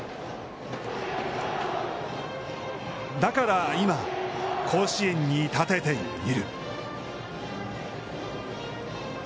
だから今、甲子園に立てている。